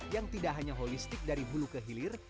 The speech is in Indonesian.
yang tidak hanya holistik dari bulu ke hilir